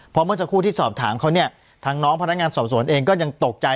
เพราะเมื่อสักครู่ที่สอบถามเขาเนี่ยทางน้องพนักงานสอบสวนเองก็ยังตกใจ